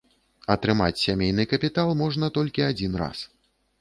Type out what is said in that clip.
Атрымаць сямейны капітал можна толькі адзін раз.